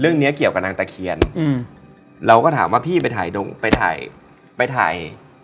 เนี้ยเกี่ยวกับนางตะเคียนเราก็ถามว่าพี่ไปถ่ายดงไปถ่ายไปถ่าย